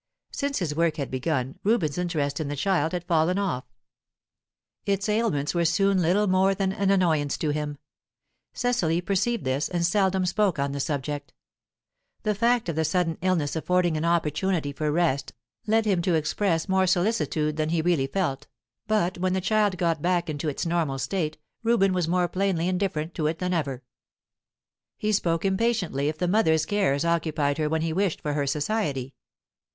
Since his work had begun, Reuben's interest in the child had fallen off. Its ailments were soon little more than an annoyance to him; Cecily perceived this, and seldom spoke on the subject. The fact of the sudden illness affording an opportunity for rest led him to express more solicitude than he really felt, but when the child got back into its normal state, Reuben was more plainly indifferent to it than ever. He spoke impatiently if the mother's cares occupied her when he wished for her society.